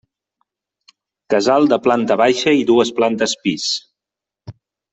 Casal de planta baixa i dues plantes pis.